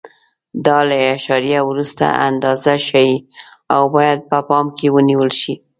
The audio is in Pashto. دا له اعشاریه وروسته اندازه ښیي او باید په پام کې ونیول شي.